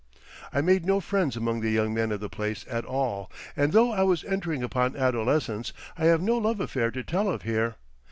I made no friends among the young men of the place at all, and though I was entering upon adolescence I have no love affair to tell of here.